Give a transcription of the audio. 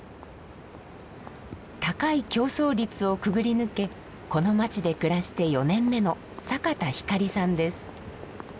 高い競争率をくぐり抜けこの街で暮らして４年目の坂田耀里さんです。